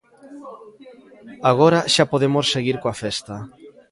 Agora xa podemos seguir coa festa.